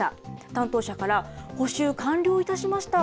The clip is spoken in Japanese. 担当者から、補修完了いたしました。